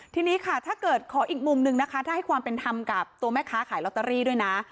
ทีนี้ค่ะถ้าเกิดขออีกมุมนึงนะคะถ้าให้ความเป็นธรรมกับตัวแม่ค้าขายลอตเตอรี่ด้วยนะ